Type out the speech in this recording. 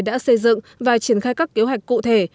đã xây dựng và triển khai các kế hoạch cụ thể